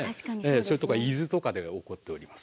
それとか伊豆とかで起こっております。